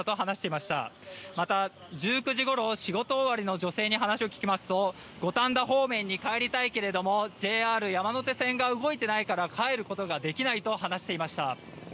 また、１９時ごろ仕事終わりの女性に話を聞きますと五反田方面に帰りたいけれどもＪＲ山手線が動いてないから帰ることができないと話していました。